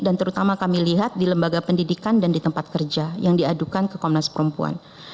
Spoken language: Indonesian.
dan terutama kami lihat di lembaga pendidikan dan di tempat kerja yang diadukan ke komnas perempuan